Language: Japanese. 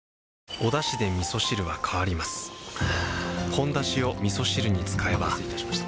「ほんだし」をみそ汁に使えばお待たせいたしました。